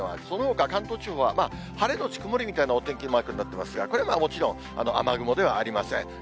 そのほか関東地方は、晴れ後曇りみたいなお天気マークになってますが、これはもちろん雨雲ではありません。